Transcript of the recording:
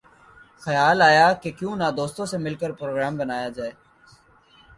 خیال آیا کہ کیوں نہ دوستوں سے مل کر پروگرام بنایا جائے